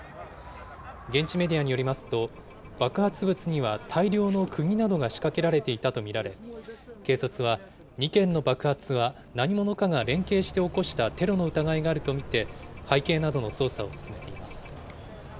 現地メディアによりますと、爆発物には大量のくぎなどが仕掛けられていたと見られ、警察は、２件の爆発は何者かが連携して起こしたテロの疑いがあると見て、背景などの捜査を進めています。